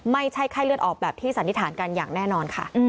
ไม่ใช่ไข้เลือดออกแบบที่สันนิษฐานกันอย่างแน่นอนค่ะ